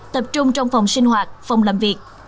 tập trung trong phòng sinh hoạt phòng làm việc